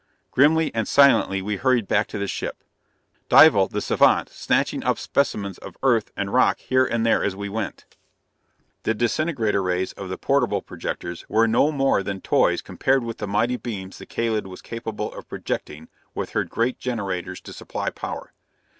Grimly and silently we hurried back to the ship. Dival, the savant, snatching up specimens of earth and rock here and there as we went. The disintegrator rays of the portable projectors were no more than toys compared with the mighty beams the Kalid was capable of projecting, with her great generators to supply power.